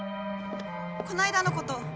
この間のこと。